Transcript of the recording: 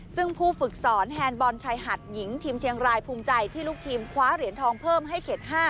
ซึ่งผู้ฝึกสอนแฮนด์บอลชายหัดหญิงทีมเชียงรายภูมิใจที่ลูกทีมคว้าเหรียญทองเพิ่มให้เขต๕